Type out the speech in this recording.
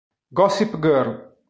Gossip Girl